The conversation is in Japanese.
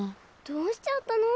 どうしちゃったの？